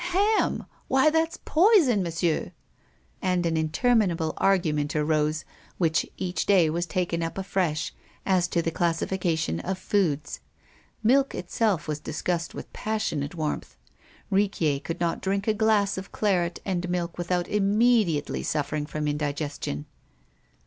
ham! why, that's poison, Monsieur." And an interminable argument arose, which each day was taken up afresh, as to the classification of foods. Milk itself was discussed with passionate warmth. Riquier could not drink a glass of claret and milk without immediately suffering from indigestion.